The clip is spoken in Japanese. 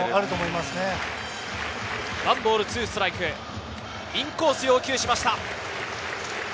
１ボール２ストライク、インコース要求しました。